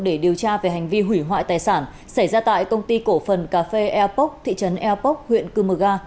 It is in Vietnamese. để điều tra về hành vi hủy hoại tài sản xảy ra tại công ty cổ phần cà phê eapok thị trấn eapok huyện cư mờ ga